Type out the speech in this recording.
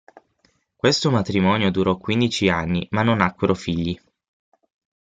Questo matrimonio durò quindici anni ma non nacquero figli.